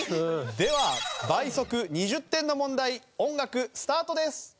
では倍速２０点の問題音楽スタートです。